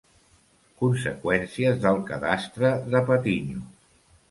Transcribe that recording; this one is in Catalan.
Conseqüències del cadastre de Patiño.